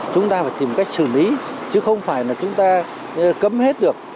chúng ta phải tìm cách xử lý chứ không phải là chúng ta cấm hết được